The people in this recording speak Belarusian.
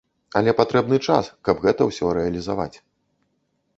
Але патрэбны час, каб гэта ўсё рэалізаваць.